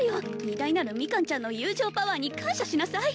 偉大なるミカンちゃんの友情パワーに感謝しなさい